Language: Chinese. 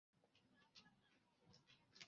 状态器是有限状态自动机的图形表示。